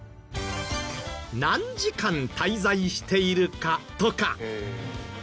何時間滞在しているかとか。